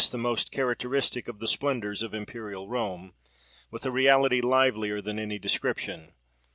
the most characteristic, of the splendours of imperial Rome, with a reality livelier than any description.